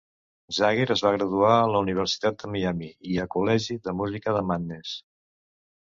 Zager es va graduar a la Universitat de Miami i a col·legi de música de Mannes.